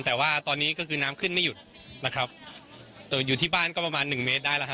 แต่ว่าตอนนี้ก็คือน้ำขึ้นไม่หยุดนะครับอยู่ที่บ้านก็ประมาณหนึ่งเมตรได้แล้วฮ